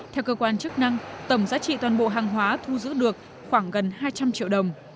theo cơ quan chức năng tổng giá trị toàn bộ hàng hóa thu giữ được khoảng gần hai